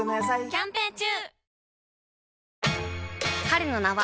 キャンペーン中！